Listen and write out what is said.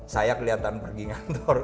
saya kelihatan pergi ngantor